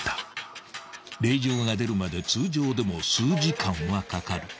［令状が出るまで通常でも数時間はかかる］